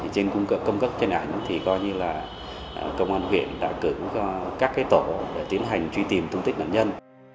trên cung cấp trên ảnh thì gọi như là công an huyện đã cử các tổ để tiến hành truy tìm thông tin nạn nhân